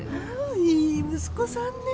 いい息子さんね。